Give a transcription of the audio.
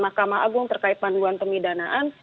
mahkamah agung terkait panduan pemidanaan